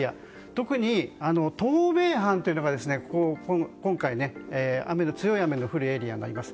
特に東名阪というのが今回強い雨が降るエリアになります。